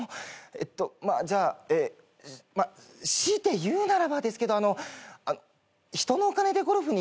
えっとまあじゃあ強いて言うならばですけど人のお金でゴルフに行く女性は苦手ですね。